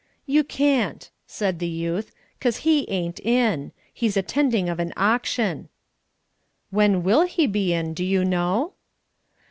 "You can't," said the youth. "'Cause he ain't in. He's attending of an auction." "When will he be in, do you know?"